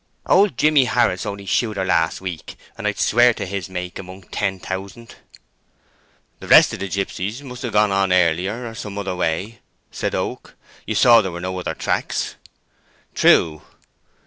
"Old Jimmy Harris only shoed her last week, and I'd swear to his make among ten thousand." "The rest of the gipsies must ha' gone on earlier, or some other way," said Oak. "You saw there were no other tracks?" "True."